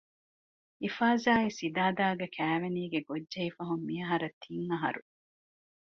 އިފާޒާއި ސިދާދާގެ ކައިވެނީގެ ގޮށްޖެހިފަހުން މިއަހަރަށް ތިން އަހަރު